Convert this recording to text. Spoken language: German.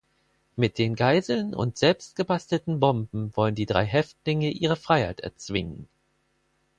Mit den Geiseln und selbstgebastelten Bomben wollen die drei Häftlinge ihre Freiheit erzwingen.